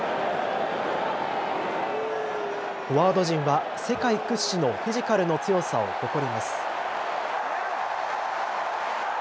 フォワード陣は世界屈指のフィジカルの強さを誇ります。